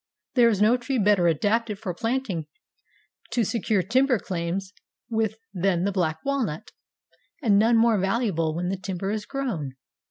There is no tree better adapted for planting to secure timber claims with than the black walnut, and none more valuable when the timber is grown.